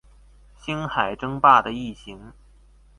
星海爭霸的異型